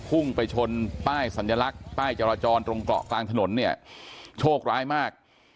พุ่งไปชนป้ายสัญลักษณ์ป้ายจราจรตรงเกาะกลางถนนเนี่ยโชคร้ายมาก